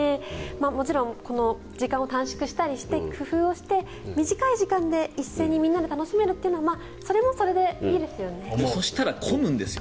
もちろんこの時間を短縮したりして工夫をして短い時間で一斉にみんなで楽しめるというのはそしたら混むんですよ。